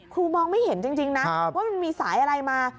มองไม่เห็นจริงนะว่ามันมีสายอะไรมา